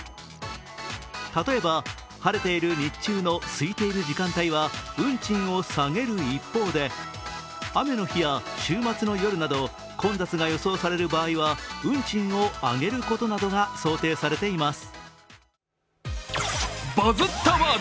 例えば晴れている日中の空いている時間帯は運賃を下げる一方で雨の日や週末の夜など混雑が予想される場合は運賃を上げることなどか想定されています。